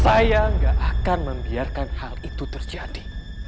saya gak akan membiarkan hal itu terjadi